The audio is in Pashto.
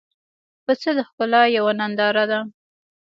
پسه د ښکلا یوه ننداره ده.